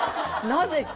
なぜか。